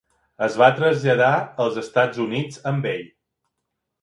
Es va traslladar als Estats Units amb ell.